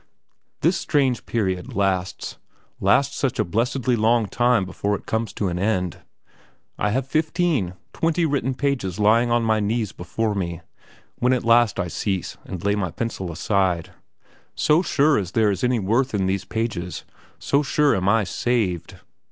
This strange period lasts lasts such a blessedly long time before it comes to an end. I have fifteen twenty written pages lying on my knees before me, when at last I cease and lay my pencil aside, So sure as there is any worth in these pages, so sure am I saved.